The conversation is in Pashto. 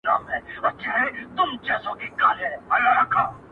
سړی راوستی عسکرو و قاضي ته,